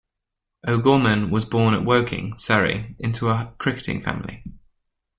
O'Gorman was born at Woking, Surrey, into a cricketing family.